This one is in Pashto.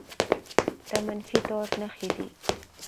د منفي دود نښې دي